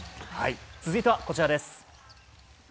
続いてはこちらです。